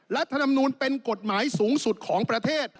รัฐธรรมนูลเป็นกฎหมายสูงสุดของประเทศ